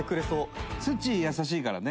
伊達：ツッチー、優しいからね。